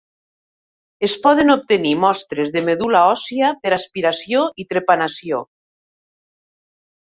Es poden obtenir mostres de medul·la òssia per aspiració i trepanació